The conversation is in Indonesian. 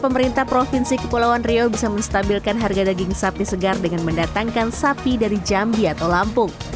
pemerintah provinsi kepulauan riau bisa menstabilkan harga daging sapi segar dengan mendatangkan sapi dari jambi atau lampung